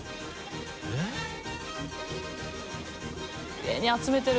きれいに集めてる。